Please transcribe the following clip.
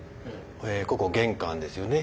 ここ玄関ですよね。